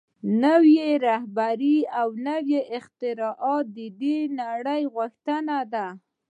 نوي رهبران او نوي اختراعات د دې نړۍ غوښتنې دي